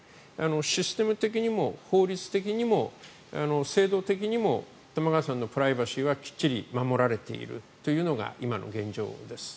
システム的にも法律的にも制度的にも玉川さんのプライバシーはきっちり守られているというのが今の現状です。